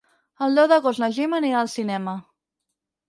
El deu d'agost na Gemma anirà al cinema.